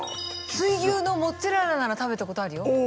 水牛のモッツァレラなら食べたことあるよ。